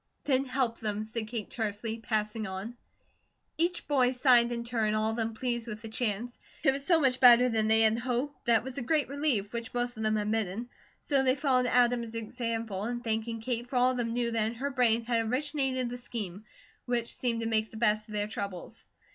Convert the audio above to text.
"Then HELP them," said Kate tersely, passing on. Each boy signed in turn, all of them pleased with the chance. It was so much better than they had hoped, that it was a great relief, which most of them admitted; so they followed Adam's example in thanking Kate, for all of them knew that in her brain had originated the scheme, which seemed to make the best of their troubles.